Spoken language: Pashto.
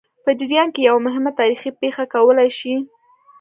په جریان کې یوه مهمه تاریخي پېښه کولای شي.